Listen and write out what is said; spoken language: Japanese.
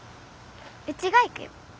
うちが行くよ。